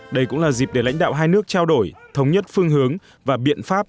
đây cũng là dịp để lãnh đạo hai nước trao đổi thống nhất phương hướng và biện pháp